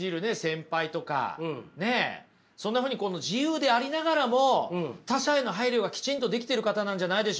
ねっそんなふうに今度自由でありながらも他者への配慮がきちんとできてる方なんじゃないでしょうか？